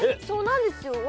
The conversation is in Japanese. そうなんですよ。